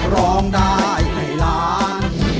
ร้องได้ให้ล้าน